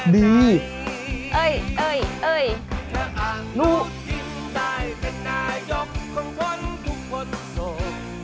ที่ดีเมื่อวานเป็นรัฐมนตรี